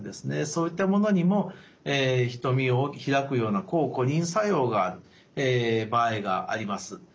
そういったものにも瞳をひらくような抗コリン作用がある場合があります。